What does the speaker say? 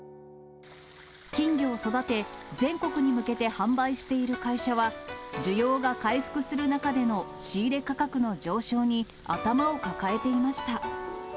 金魚を育て、全国に向けて販売している会社は、需要が回復する中での仕入れ価格の上昇に頭を抱えていました。